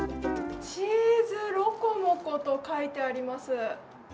チーズロコモコと書いてあります。